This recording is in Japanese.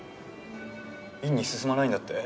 院に進まないんだって？